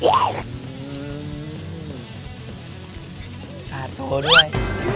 อาโต้ด้วย